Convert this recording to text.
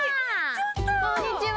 こんにちは。